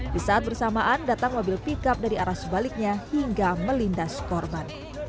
di saat bersamaan datang mobil pickup dari arah sebaliknya hingga melindas korban